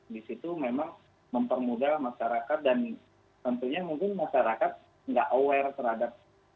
di situ memang mempermudah masyarakat dan tentunya mungkin masyarakat nggak aware terhadap